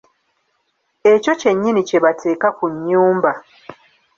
Ekyo kyennyini kye bateeka ku nnyumba.